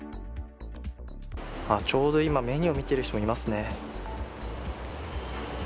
ちょうど今、メニューを見ている人もいますね。